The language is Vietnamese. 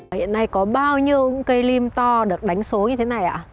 hiện nay có bao nhiêu cây lim to được đánh số như thế này ạ